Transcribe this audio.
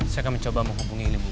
saya akan mencoba menghubungi ilmu